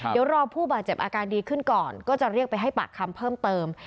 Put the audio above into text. เดี๋ยวรอผู้บาดเจ็บอาการดีขึ้นก่อนก็จะเรียกไปให้ปากคำเพิ่มเติม